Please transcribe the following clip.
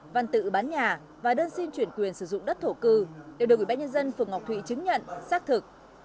văn tự bán nhà và đơn xin chuyển quyền sử dụng đất thổ cư đều được ủy ban nhân dân phường ngọc thụy chứng nhận xác thực